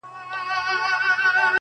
هارون جان ته د نوي کال او پسرلي ډالۍ:٫